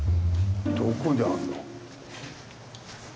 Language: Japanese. どこにあるんだ？